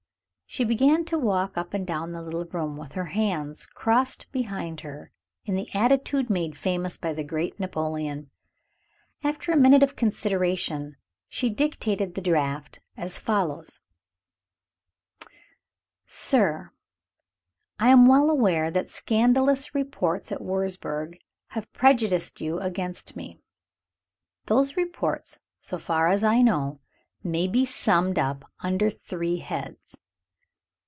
She began to walk up and down the little room, with her hands crossed behind her in the attitude made famous by the great Napoleon. After a minute of consideration, she dictated the draft as follows: "Sir, I am well aware that scandalous reports at Wurzburg have prejudiced you against me. Those reports, so far as I know, may be summed up under three heads.